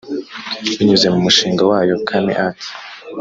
Binyuze mu mushinga wayo Kaami Arts